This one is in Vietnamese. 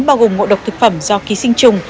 bao gồm ngộ độc thực phẩm do ký sinh trùng